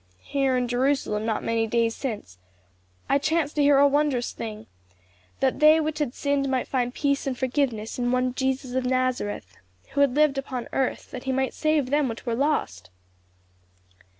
Here in Jerusalem not many days since, I chanced to hear a wondrous thing, 'that they which had sinned might find peace and forgiveness in one Jesus of Nazareth, who had lived upon earth that he might save them which were lost.